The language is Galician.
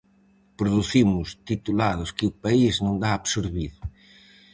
Producimos titulados que o país non dá absorbido.